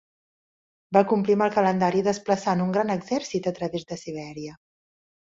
Va complir amb el calendari desplaçant un gran exèrcit a través de Sibèria.